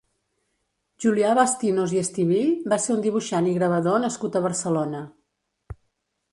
Julià Bastinos i Estivill va ser un dibuixant i gravador nascut a Barcelona.